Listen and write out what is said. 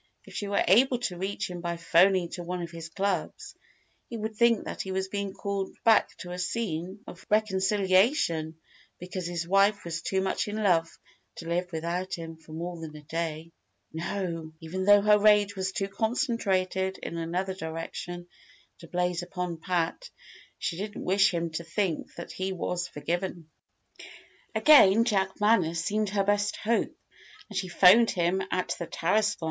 If she were able to reach him by 'phoning to one of his clubs, he would think that he was being called back to a scene of reconciliation because his wife was too much in love to live without him for more than a day. No! even though her rage was too concentrated in another direction to blaze upon Pat, she didn't wish him to think that he was forgiven. Again Jack Manners seemed her best hope, and she 'phoned him at the Tarascon.